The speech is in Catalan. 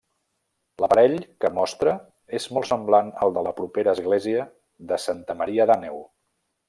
L'aparell que mostra és molt semblant al de la propera església de Santa Maria d'Àneu.